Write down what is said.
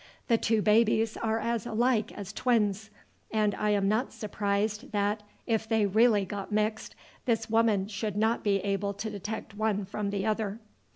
The two babies are as alike as twins; and I am not surprised that, if they really got mixed, this woman should not be able to detect one from the other."